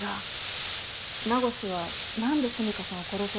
名越は何で澄香さんを殺そうとしたのか。